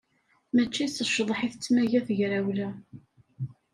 Mačči s ccḍeḥ i tettmaga tegrawla.